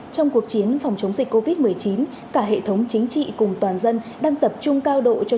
trong cuộc chiến phòng chống dịch covid một mươi chín cả hệ thống chính trị cùng toàn dân đang tập trung cao độ cho